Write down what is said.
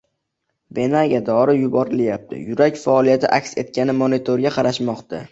Venaga dori yuborilyapti, yurak faoliyati aks etgan monitorga qarashmoqda